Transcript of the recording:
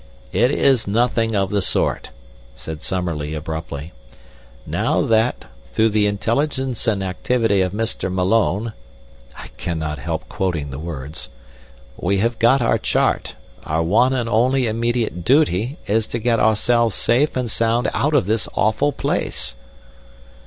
"It is nothing of the sort," said Summerlee, abruptly. "Now that, through the intelligence and activity of Mr. Malone" (I cannot help quoting the words), "we have got our chart, our one and only immediate duty is to get ourselves safe and sound out of this awful place."